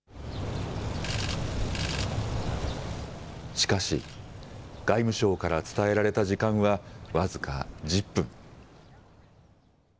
しかし外務省から伝えられた時間は僅か１０分。